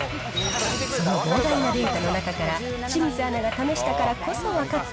その膨大なデータの中から、清水アナが試したからこそ分かった、